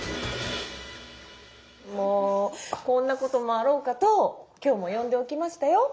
もうこんなこともあろうかと今日も呼んでおきましたよ。